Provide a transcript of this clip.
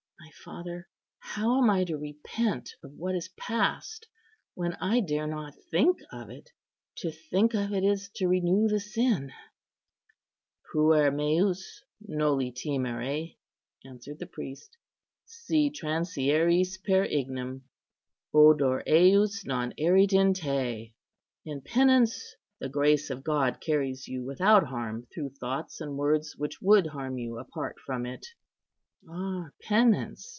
My father, how am I to repent of what is past, when I dare not think of it? To think of it is to renew the sin." " 'Puer meus, noli timere,' " answered the priest; " 'si transieris per ignem, odor ejus non erit in te.' In penance, the grace of God carries you without harm through thoughts and words which would harm you apart from it." "Ah, penance!"